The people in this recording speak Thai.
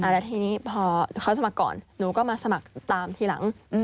แล้วทีนี้พอเขาสมัครก่อนหนูก็มาสมัครตามทีหลัง